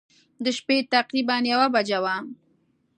د شپې تقریباً یوه بجه وه.